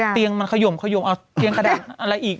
เตียงมันขยมขยมเอาเตียงกระดาษอะไรอีก